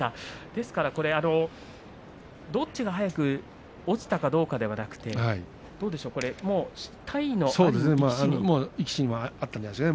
ですからどっちが早く落ちたかどうかではなく体の、ということですか？